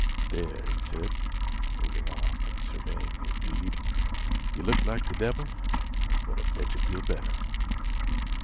"There," he said, moving off and surveying his deed, "yeh look like th' devil, but I bet yeh feel better."